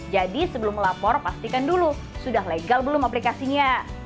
jadi sebelum melapor pastikan dulu sudah legal belum aplikasinya